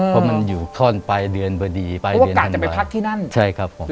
เพราะมันอยู่ข้อนปลายเดือนเบอร์ดีปลายเดือนธรรมดาเพราะว่ากลับจะไปพักที่นั่นใช่ครับผม